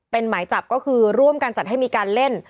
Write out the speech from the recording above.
เป็นหมายจับก็คือร่วมกันจัดให้มีการเล่น